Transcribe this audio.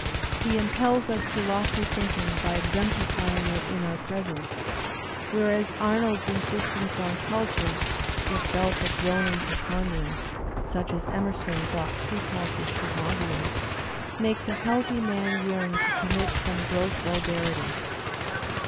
He impels us to lofty thinking by exemplify ing it in our presence; whereas Arnold's insistence on culture (itself a "'droning preponderance" such as Emerson thought true culture should modulate) makes a healthy man yearn to commit some gross vulgarity.